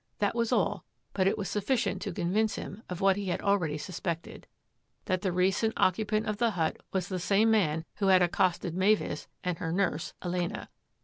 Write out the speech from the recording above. That was all, but it was sufficient to convince him of what he had already suspected: that the recent occupant of the hut was the same man who had accosted Mavis and her nurse, Elena.